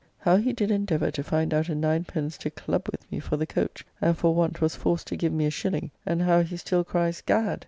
how he did endeavour to find out a ninepence to clubb with me for the coach, and for want was forced to give me a shilling, and how he still cries "Gad!"